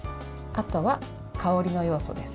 あとは香りの要素です。